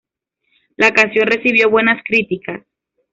La canción recibió buenas críticas.